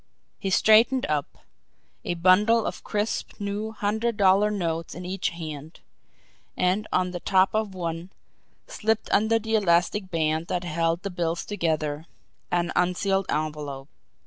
He straightened up, a bundle of crisp new hundred dollar notes in each hand and on the top of one, slipped under the elastic band that held the bills together, an unsealed envelope.